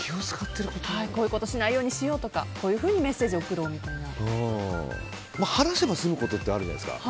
こういうことしないようにしようとか、こういうふうに話せば済むことってあるじゃないですか。